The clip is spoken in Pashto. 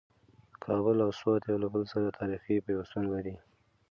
کابل او سوات یو له بل سره تاریخي پیوستون لري.